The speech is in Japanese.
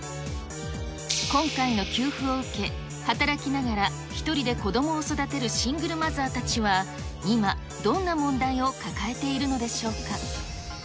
今回の給付を受け、働きながら一人で子どもを育てるシングルマザーたちは、今、どんな問題を抱えているのでしょうか。